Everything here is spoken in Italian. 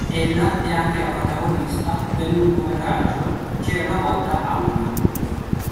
Ella è anche la protagonista del lungometraggio "C'era una volta Halloween".